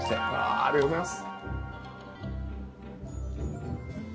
ありがとうございます。